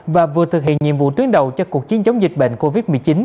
và vừa thực hiện nhiệm vụ tuyến đầu cho cuộc chiến chống dịch bệnh covid một mươi chín